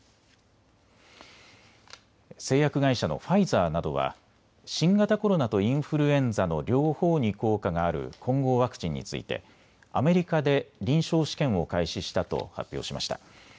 製薬会社のファイザーなどは新型コロナとインフルエンザの両方に効果がある混合ワクチンについてアメリカで臨床試験を開始したと発表しました。